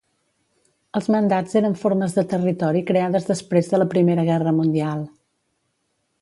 Els mandats eren formes de territori creades després de la Primera Guerra Mundial.